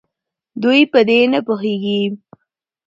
دوي په دې نپوهيږي